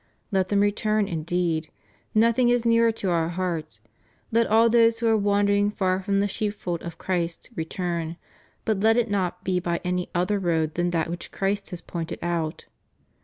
Let them return; indeed, nothing is nearer to Our heart; let all those who are wandering far from the sheepfold of Christ return; but let it not be by any other road than that which Christ has pointed out.